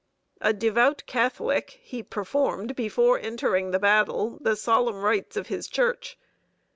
A devout Catholic, he performed, before entering the battle, the solemn rites of his Church.